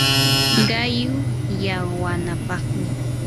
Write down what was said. qallu llaqwanapaqmi